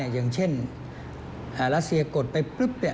อย่างเช่นรัสเซียกดไปปุ๊บ